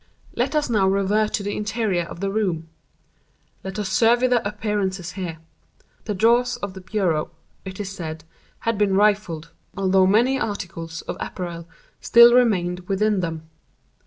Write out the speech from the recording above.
Let us now revert to the interior of the room. Let us survey the appearances here. The drawers of the bureau, it is said, had been rifled, although many articles of apparel still remained within them.